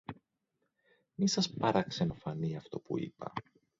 Μη σας παραξενοφανεί αυτό που είπα